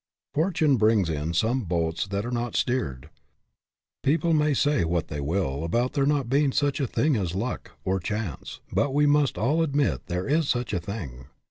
[ORTUNE brings in some boats that are not steer'd." People may say what they will about there not being any such thing as " luck," or " chance," but we must all admit there is such a thing.